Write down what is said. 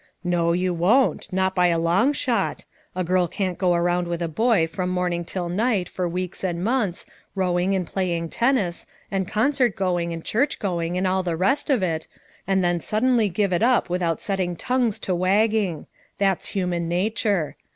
"No, you won't; not by a long shot. A girl can't go around with a boy from morning till night for weeks and months, rowing and play ing tennis, and concert going and church going and all the rest of it, and then suddenly give it up without setting tongues to wagging; that's human nature.